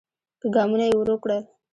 ګامونه يې ورو کړل.